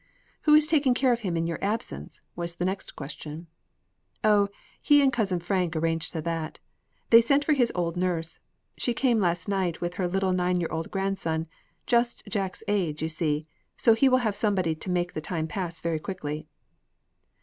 "Who is taking care of him in your absence?" was the next question. "O, he and Cousin Frank arranged that, too. They sent for his old nurse. She came last night with her little nine year old grandson. Just Jack's age, you see; so he will have somebody to make the time pass very quickly."